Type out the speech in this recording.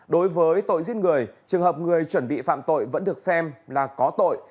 đối với tội giết người trường hợp người chuẩn bị phạm tội vẫn được xem là có tội